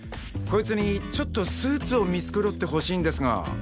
こいつにちょっとスーツを見繕ってほしいんですが。